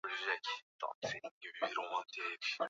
Unafikiri tunapaswa kufanya nini?